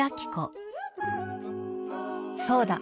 そうだ！